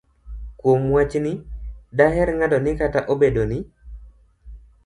Kuom wachni, daher ng'ado ni kata obedo ni